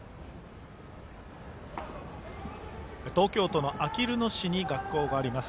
東京都のあきる野市に学校があります